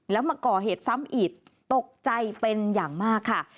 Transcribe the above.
แล้วมาก่อเหตุซ้ำอีกตกใจเป็นอย่างมากค่ะ